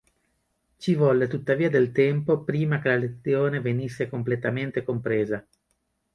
Ci volle tuttavia del tempo prima che la lezione venisse completamente compresa.